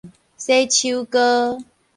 洗手膏